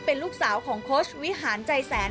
เป็นลูกสาวของโค้ชวิหารใจแสน